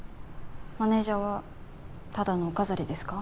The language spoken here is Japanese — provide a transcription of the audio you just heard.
マネージャーはただのお飾りですか？